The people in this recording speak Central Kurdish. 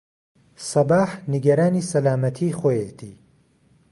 سەباح نیگەرانی سەلامەتیی خۆیەتی.